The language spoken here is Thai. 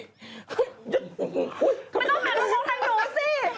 ไม่ต้องหาทุกคนทางนู้นสิ